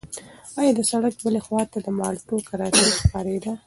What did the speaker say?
ایا د سړک بلې خوا ته د مالټو کراچۍ ښکارېده؟